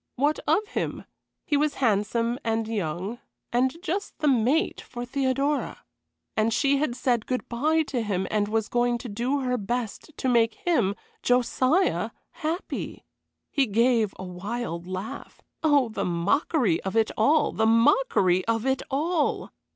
What of him? He was handsome and young, and just the mate for Theodora. And she had said good bye to him, and was going to do her best to make him Josiah happy. He gave a wild laugh. Oh, the mockery of it all, the mockery of it all!